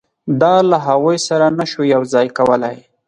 دا له هغوی سره نه شو یو ځای کولای.